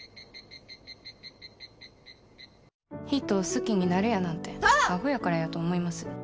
人を好きになるやなんてあほやからやと思います。